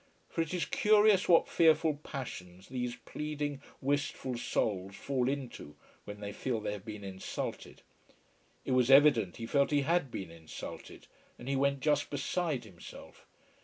For it is curious what fearful passions these pleading, wistful souls fall into when they feel they have been insulted. It was evident he felt he had been insulted, and he went just beside himself.